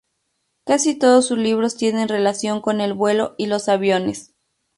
Casi todos sus libros tienen relación con el vuelo y los aviones.